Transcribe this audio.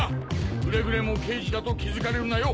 くれぐれも刑事だと気づかれるなよ！